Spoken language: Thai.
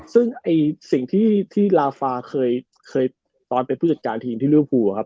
ซึ่งไอ้สิ่งที่ราฟาเคยตอนเป็นผู้จัดการทีมที่เรียนมากกว่าครับ